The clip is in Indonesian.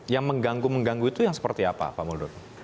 yang mengganggu mengganggu itu seperti apa pak muldur